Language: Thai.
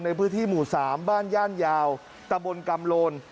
ในพื้นที่หมู่๓บ้านย่านยาวตะบนกำโลน